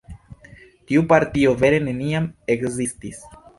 Tiu partio vere neniam ekzistis.